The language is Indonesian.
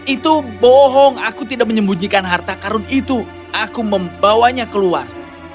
itu bohong aku tidak menyembunyikan harta karun itu aku membawanya keluar